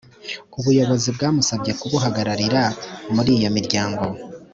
ubuyobozi bwamusabye kubuhagararira muri iyo miryango